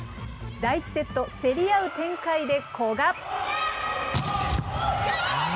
第１セット、競り合う展開で古賀。